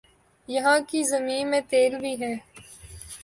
یہاں کی زمین میں تیل بھی ہے